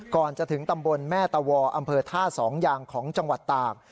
ก่อนจะถึงตำบลแม่ตะวออำเภอท่าสองยางของจังหวัดตาก